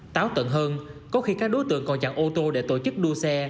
táo tận hơn có khi các đối tượng còn chặn ô tô để tổ chức đua xe